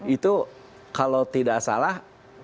itu kalau tidak salah